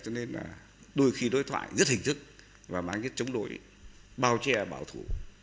người khi đối thoại rất hình thức và mang cái chống đổi bao che bảo thủ